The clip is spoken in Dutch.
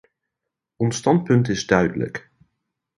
Ons standpunt is duidelijk.